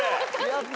やった！